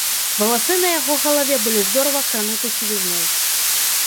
Валасы на яго галаве былі здорава крануты сівізной.